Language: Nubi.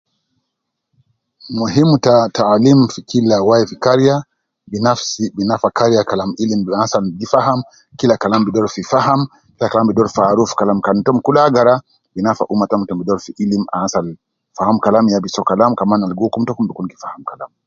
Muhim ta taalim fi kila wai gi Kariya bi nafsi bi nafa kariya kalam ilim anas ab gi faham kila kalam gi doru fi faham kila kalam gi doru fi aruf kalam tom kul kan agara bi nafa umma takum tom gi doru fi in anas ab fam kalam ya bi soo kalam kaman anas ab gi hukum itom gi gai fi fam kalam